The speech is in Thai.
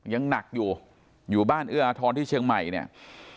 ยังหนักอยู่อยู่บ้านเอื้ออาทรที่เชียงใหม่เนี่ย